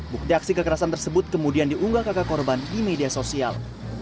bukti aksi kekerasan tersebut kemudian diunggah kakak korban di media sosial